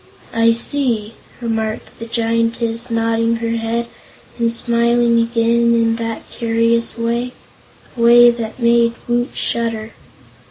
"I see," remarked the Giantess, nodding her head and smiling again in that curious way a way that made Woot shudder.